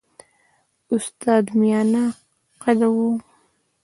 استاد میانه قده وو.